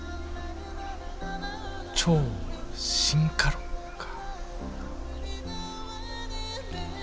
「超・進化論」か。